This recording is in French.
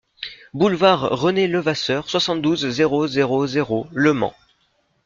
Boulevard René Levasseur, soixante-douze, zéro zéro zéro Le Mans